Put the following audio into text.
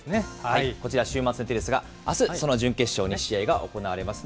こちら、週末の予定ですが、あすその準決勝２試合が行われます。